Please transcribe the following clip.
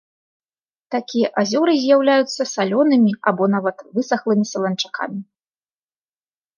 Такія азёры з'яўляюцца салёнымі або нават высахлымі саланчакамі.